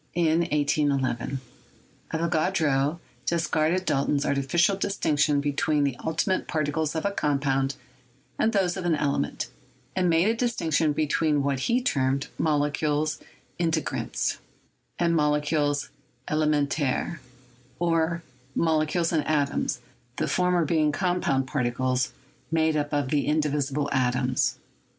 Avogadro discarded Dalton's artificial distinction be tween the ultimate particles of a compound and those of an element, and made a distinction between what he termed "molecules integrants" and "molecules elemen taires," or molecules and atoms, the former being com pound particles made up of the indivisible atoms.